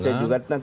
bisa juga kan